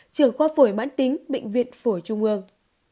trưởng khoa phổi bản tính bệnh viện phổi trung ương